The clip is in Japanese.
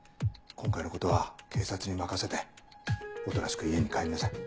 今回のことは警察に任せておとなしく家に帰りなさい。